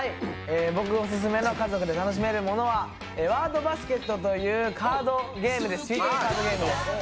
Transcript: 僕オススメの家族で楽しめるものは「ワードバスケット」というカードゲームでしりとりカードゲームです。